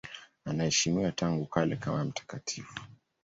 Anaheshimiwa tangu kale kama mtakatifu.